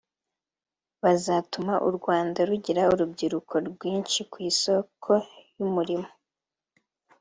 bazatuma u Rwanda rugira urubyiruko rwinshi ku isoko ry’umurimo